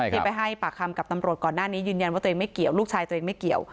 เขาไปให้ปากคำกับตำรวจก่อนหน้านี้ยืนยันว่าลูกชายตัวเองไม่เกี่ยว